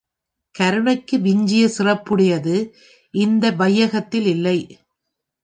கருணைக்கு விஞ்சிய சிறப்புடையது இந்த வையகத்தில் இல்லை.